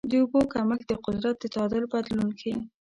د اوبو کمښت د قدرت د تعادل بدلون ښيي.